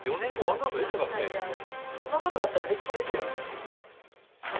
そんな事があったら嬉しいですよ。